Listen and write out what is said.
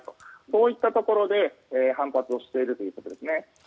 そういったところで反発をしているということです。